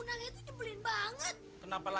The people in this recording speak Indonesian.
lagi kalian akan kebagian ngok iya iya iya assalamualaikum